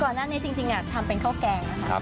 หน้านี้จริงทำเป็นข้าวแกงนะคะ